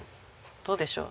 どうでしょう？